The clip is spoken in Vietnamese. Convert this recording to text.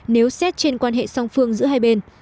nếu xét trên quan hệ song phương giữa hai bên